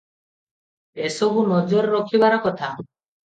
ଏ ସବୁ ନଜରରେ ରଖିବାର କଥା ।